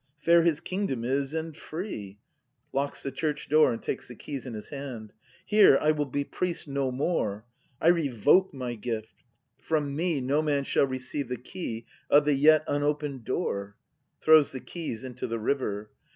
Fair His kingdom is and free! [Locks the church door and takes the keys in his hajid.] Here I will be priest no more. I revoke my gift; — from me No man shall receive the key Of the yet unopen'd door! [Throics the keys into the river.